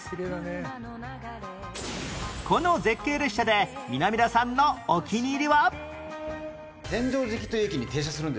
この絶景列車で南田さんのお気に入りは